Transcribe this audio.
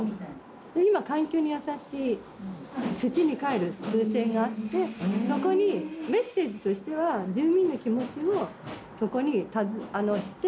今環境にやさしい土にかえる風船があってそこにメッセージとしては住民の気持ちをそこにのせて。